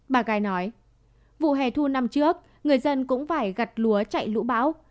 bà gái nói vụ hè thu năm trước người dân cũng phải gặt lúa chạy lũ báo